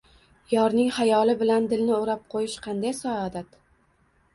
Yorning xayoli bilan dilni o‘rab qo‘yish qanday saodat!